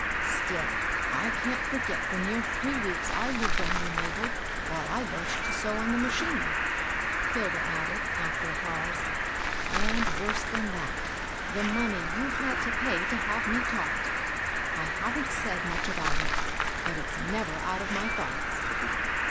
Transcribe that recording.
" Still I can't forget the near three weeks I lived on you, Mabel, while I learnt to sew on the ma chine," Hilda added, after a pause; "and, worse than that, the money you had to pay to have me taught. I haven't said much about it; but it's never out of my thoughts."